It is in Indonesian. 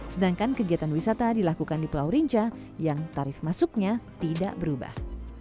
sedangkan kegiatan wisata dilakukan di pulau rinca yang tarif masuknya tidak berubah